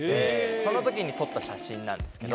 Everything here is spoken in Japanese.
その時に撮った写真なんですけど。